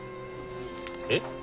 えっ？